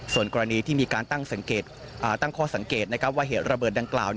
ส่วนกรณีที่มีการตั้งข้อสังเกตว่าเหตุระเบิดดังกล่าว